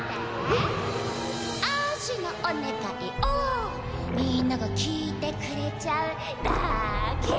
あーしのお願いをみんなが聞いてくれちゃうだけ。